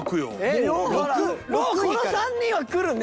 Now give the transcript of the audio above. もうこの３人はくるね！